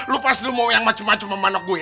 lu pas lu mau yang macu macu sama anak gue